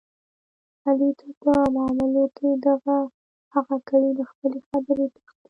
علي تل په معاملو کې دغه هغه کوي، له خپلې خبرې تښتي.